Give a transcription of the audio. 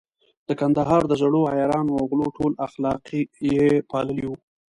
د کندهار د زړو عیارانو او غلو ټول اخلاق يې پاللي وو.